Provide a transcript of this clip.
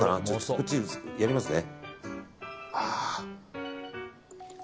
こっちでやりますね。